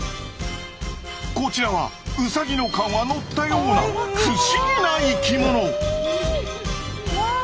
こちらはウサギの顔がのったような不思議な生きもの！